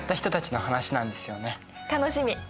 楽しみ！